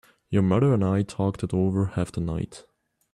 Your mother and I talked it over half the night.